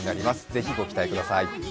是非ご期待ください。